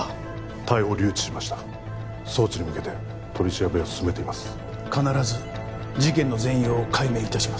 逮捕留置しました送致に向けて取り調べを進めています必ず事件の全容を解明いたします